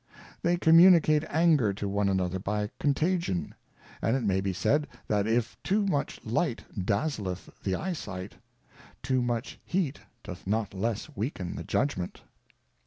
They communicate Anger to one another by Contagion : And it may be said, that if too much Light dazzleth the Eyesight, too much Heat doth not less weaken the Judgment.